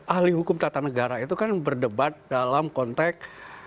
ahli hukum tata negara itu kan berdebat dalam konteks